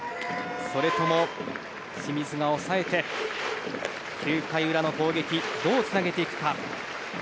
それとも清水が抑えて９回の裏の攻撃へどうつなげていくか。